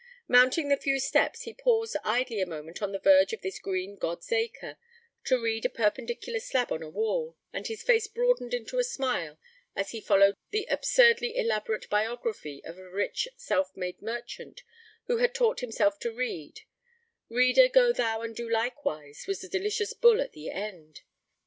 Mounting the few steps, he paused idly a moment on the verge of this green 'God's acre' to read a perpendicular slab on a wall, and his face broadened into a smile as he followed the absurdly elaborate biography of a rich, self made merchant who had taught himself to read, 'Reader, go thou and do likewise,' was the delicious bull at the end.